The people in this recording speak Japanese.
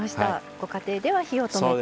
ご家庭では火を止めて。